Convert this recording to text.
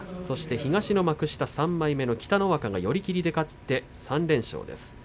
東の幕下３枚目の北の若が寄り切りで勝って、３連勝です。